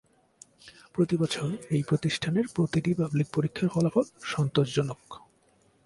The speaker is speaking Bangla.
প্রতিবছর এই প্রতিষ্ঠানের প্রতিটি পাবলিক পরীক্ষার ফলাফল সন্তোষজনক।